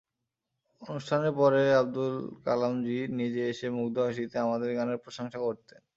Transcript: অনুষ্ঠানের পরে আবদুল কালামজি নিজে এসে মুগ্ধ হাসিতে আমাদের গানের প্রশংসা করতেন।